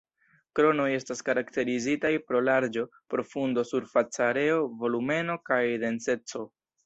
Kronoj estas karakterizitaj pro larĝo, profundo, surfaca areo, volumeno, kaj denseco.